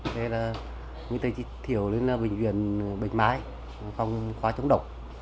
thế là người ta chỉ thiểu lên là bệnh viện bệnh mái phòng khóa chống độc